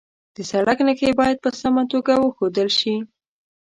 د سړک نښې باید په سمه توګه وښودل شي.